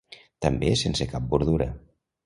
També sense cap bordura.